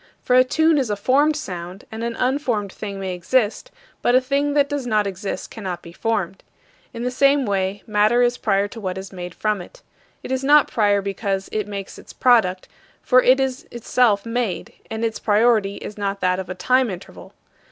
For a tune is a formed sound; and an unformed thing may exist, but a thing that does not exist cannot be formed. In the same way, matter is prior to what is made from it. It is not prior because it makes its product, for it is itself made; and its priority is not that of a time interval.